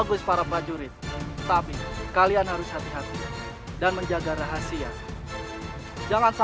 ini tidak bisa dibiarkan